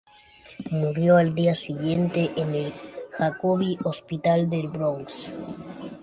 Murió al día siguiente en el Jacobi Hospital del Bronx.